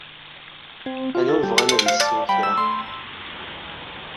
Anwa ay yebɣan ad isew kra?